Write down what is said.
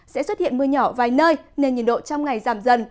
sẽ xuất hiện mưa nhỏ vài nơi nên nhiệt độ trong ngày giảm dần